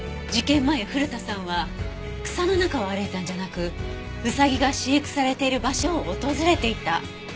事件前古田さんは草の中を歩いたんじゃなくウサギが飼育されている場所を訪れていた？